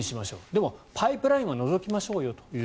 でもパイプラインは除きましょうよと。